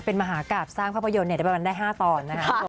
เป็นมหากราบสร้างภาพยนตร์ได้ประมาณได้๕ตอนนะครับ